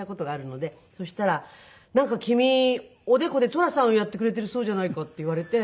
そしたら「なんか君おでこで寅さんをやってくれているそうじゃないか」って言われて。